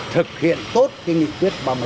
thực hiện tốt cái nghị tuyết ba mươi năm